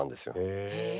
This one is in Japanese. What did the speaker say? へえ。